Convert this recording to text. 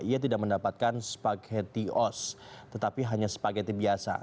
ia tidak mendapatkan spaghetti os tetapi hanya spaghetti biasa